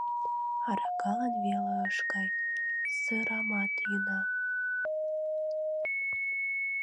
— Аракалан веле ыш кай, сырамат йӱна.